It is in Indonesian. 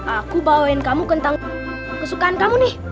aku bawain kamu tentang kesukaan kamu nih